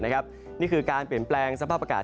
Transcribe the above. นี่คือการเปลี่ยนแปลงสภาพอากาศ